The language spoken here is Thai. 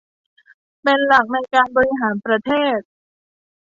เป็นหลักในการบริหารประเทศ